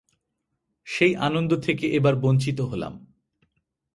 সেই আনন্দ থেকে এবার বঞ্চিত হলাম।